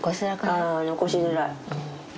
あ残しづらい。